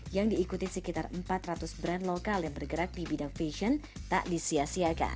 yang diikuti sekitar empat ratus brand lokal yang bergerak di bidang fashion tak disiasiakan